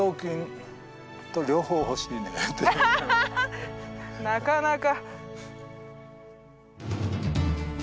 アハハなかなか。